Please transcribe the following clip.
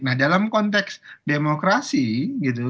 nah dalam konteks demokrasi gitu